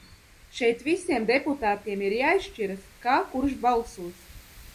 Šeit visiem deputātiem ir jāizšķiras, kā kurš balsos.